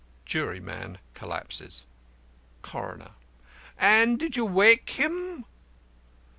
(Juryman collapses.) CORONER: And did you wake him?